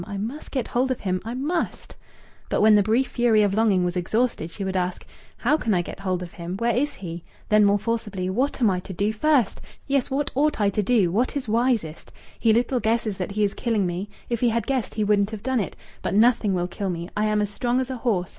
I must get hold of him. I must!" But when the brief fury of longing was exhausted she would ask: "How can I get hold of him? Where is he?" Then more forcibly: "What am I to do first? Yes, what ought I to do? What is wisest? He little guesses that he is killing me. If he had guessed, he wouldn't have done it. But nothing will kill me! I am as strong as a horse.